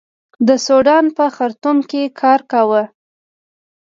د سوډان په خرتوم کې کار کاوه.